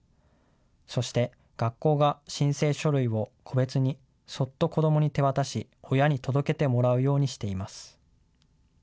そして学校が申請書類を個別にそっと子どもに手渡し、親に届けてもらうようにしています。